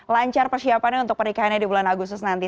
lancar persiapannya untuk pernikahannya di bulan agustus nanti